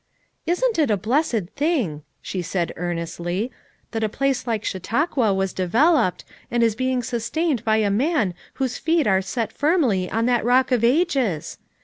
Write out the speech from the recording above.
< 'Isn't it a blessed thing," she said earnestly, "that a place like Chautauqua was developed, and is being sustained by a man whose feet are set firmly on that 'Rock of Ages'?